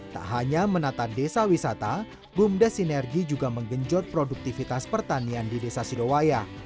tak hanya menata desa wisata bumdes sinergi juga menggenjot produktivitas pertanian di desa sidowaya